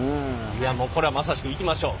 いやもうこれはまさしくいきましょう。